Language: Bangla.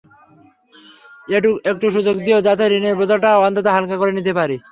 একটু সুযোগ দিয়ো, যাতে ঋণের বোঝাটা অন্তত হালকা করে নিতে পারি।